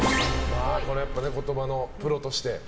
これは言葉のプロとして。